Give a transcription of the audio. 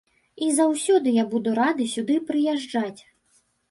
І заўсёды я буду рады сюды прыязджаць.